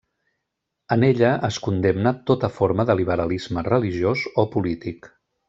En ella es condemna tota forma de liberalisme religiós o polític.